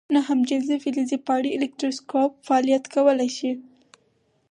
ناهمجنسه فلزي پاڼې الکتروسکوپ فعالیت کولی شي؟